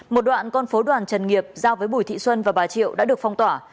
một đoạn con phố đoàn trần nghiệp giao với bùi thị xuân và bà triệu đã được phong tỏa